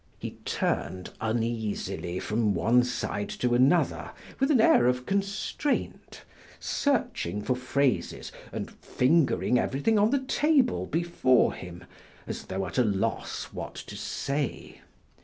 He turned uneasily from one side to another with an air of constraint, searching for phrases and fingering everything on the table before him as though at a loss what to say.